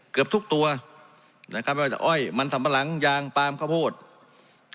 เกือบทุกตัวนะครับไม่ว่าจะอ้อยมันสัมปะหลังยางปลามข้าวโพด